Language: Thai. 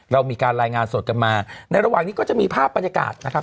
เรามีการรายงานสดกันมาในระหว่างนี้ก็จะมีภาพบรรยากาศนะครับ